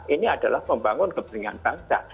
ini adalah membangun kepentingan bangsa